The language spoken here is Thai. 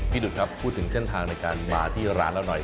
ดุดครับพูดถึงเส้นทางในการมาที่ร้านเราหน่อย